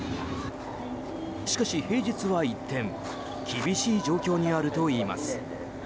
しかし、平日は一転厳しい状況にあるといいます。